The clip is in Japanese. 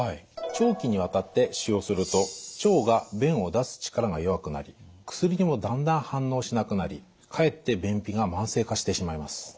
長期にわたって使用すると腸が便を出す力が弱くなり薬にもだんだん反応しなくなりかえって便秘が慢性化してしまいます。